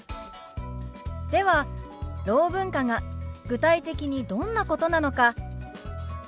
ではろう文化が具体的にどんなことなのか